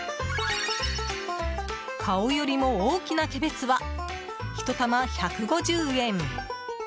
顔よりも大きなキャベツは１玉１５０円。